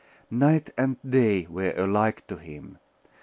Night and day were alike to him.